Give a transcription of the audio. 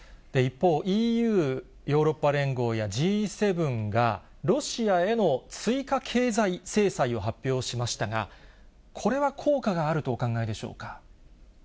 一方、ＥＵ・ヨーロッパ連合や、Ｇ７が、ロシアへの追加経済制裁を発表しましたが、これは効果があるとお考えでしょうか。